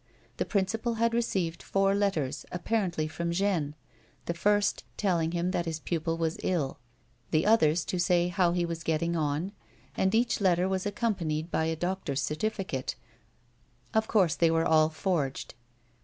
The principal had received four letters, apparently from Jeanne, the first telling him that his pupil was ill, the others to say how he was getting on, and each letter was accompanied by a doctor's certificate : 204 A WOMAN'S LIFE. of course they were all forged.